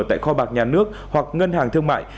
tại kho bạc nhà nước hoặc ngân hàng thương mại